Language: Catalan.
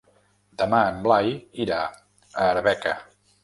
Demà en Blai irà a Arbeca.